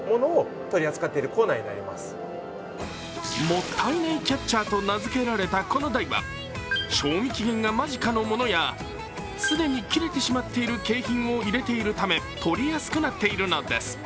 もったいないキャッチャーと名付けられたこの台は賞味期限が間近なものや、既に切れてしまっている景品を入れているため取りやすくなっているのです。